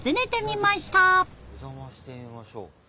お邪魔してみましょう。